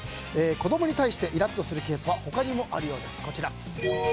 子供に対してイラッとする事例は他にもあるようです。